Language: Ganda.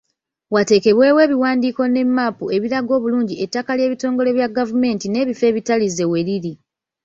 Wateekebwewo ebiwandiiko ne mmaapu ebiraga obulungi ettaka ly’ebitongole bya gavumenti n’ebifo ebitalize weriri.